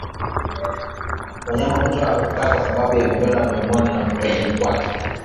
Wanyama hutoa harufu mbaya kwa sababu ya vidonda midomoni na kwenye kwato